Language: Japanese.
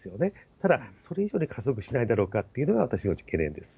ただ、それ以上に加速しないだろうかというのが私の懸念です。